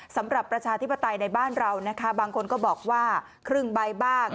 ประชาธิปไตยในบ้านเรานะคะบางคนก็บอกว่าครึ่งใบบ้าง